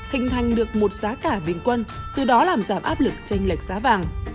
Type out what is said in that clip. hình thành được một giá cả bình quân từ đó làm giảm áp lực tranh lệch giá vàng